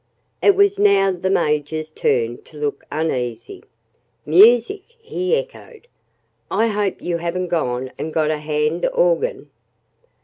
It was now the Major's turn to look uneasy. "Music!" he echoed. "I hope you haven't gone and got a hand organ!"